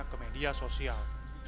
ke media sosial